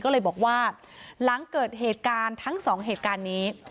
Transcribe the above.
ก็เลยบอกว่าหลังเกิดเหตุการณ์ทั้งสองเหตุการณ์นี้